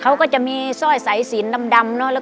เค้าก็จะมีซ่อยสายสีนดำนะครับ